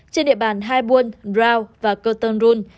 trên địa bàn hai buôn rau và cơ tân run